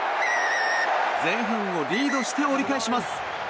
前半をリードして折り返します。